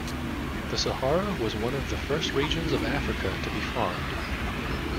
The Sahara was one of the first regions of Africa to be farmed.